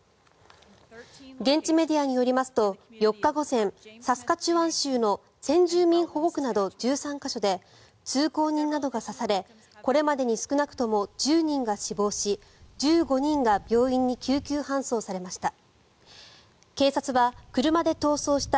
現地メディアによりますと４日午前サスカチュワン州の先住民保護区など１３か所で通行人などが刺されこれまでに少なくとも１０人が死亡し１５人が病院に救急搬送されました。